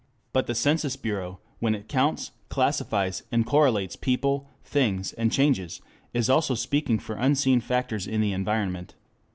But the Census Bureau, when it counts, classifies, and correlates people, things, and changes, is also speaking for unseen factors in the environment.